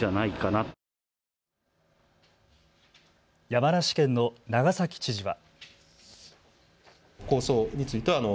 山梨県の長崎知事は。